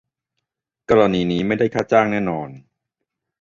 กรณีนี้ไม่ได้ค่าจ้างแน่นอน